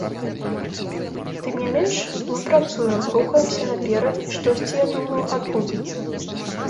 Тым не менш мы працуем, рухаемся наперад і штосьці, я думаю, адбудзецца.